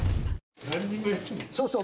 そうそう。